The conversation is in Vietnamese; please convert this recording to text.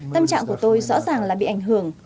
tâm trạng của tôi rõ ràng là bị ảnh hưởng